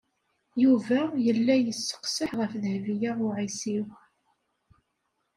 Yuba yella yesseqseḥ ɣef Dehbiya u Ɛisiw.